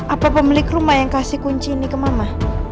apa pemilik rumah yang kasih kunci ini ke mama